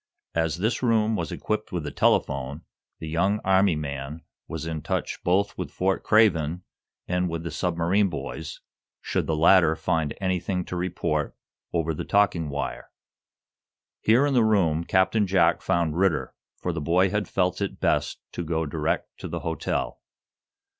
As this room was equipped with a telephone, the young Army man was in touch both with Fort Craven and with the submarine boys, should the latter find anything to report over the talking wire. Here in the room Captain Jack found Ridder, for the boy had felt it best to go direct to the hotel.